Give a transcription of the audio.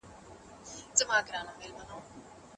مستی هیڅکله د تل لپاره نه پاتې کیږي.